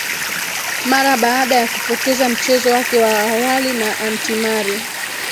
mara baada ya kupoteza mchezo wake wa awali na antimari